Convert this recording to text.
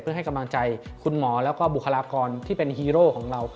เพื่อให้กำลังใจคุณหมอแล้วก็บุคลากรที่เป็นฮีโร่ของเรา